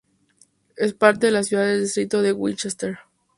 Es parte de la ciudad de distrito de Winchester.